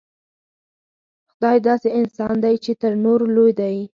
خدای داسې انسان دی چې تر نورو لوی دی.